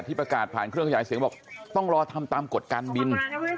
ประกาศผ่านเครื่องขยายเสียงบอกต้องรอทำตามกฎการบิน